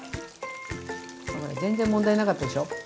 全然問題なかったでしょ？